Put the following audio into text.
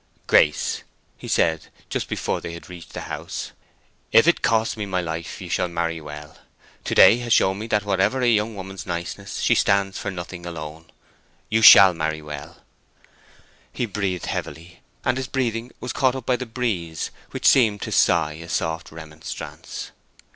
"Grace," he said, just before they had reached the house, "if it costs me my life you shall marry well! To day has shown me that whatever a young woman's niceness, she stands for nothing alone. You shall marry well." He breathed heavily, and his breathing was caught up by the breeze, which seemed to sigh a soft remonstrance.